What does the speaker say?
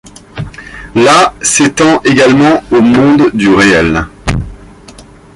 La ' s'étend également au monde du réel.